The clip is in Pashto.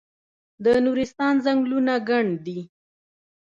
د نورستان ځنګلونه ګڼ دي